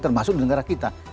termasuk di negara kita